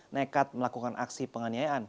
nekat melakukan aksi penganiayaan